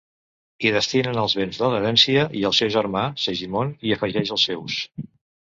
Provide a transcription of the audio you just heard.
Hi destinen els béns de l'herència i el seu germà, Segimon, hi afegeix els seus.